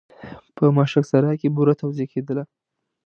په ماشک سرای کې بوره توزېع کېدله.